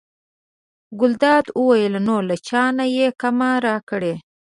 ګلداد وویل: نو له چا نه یې کمه راکړې.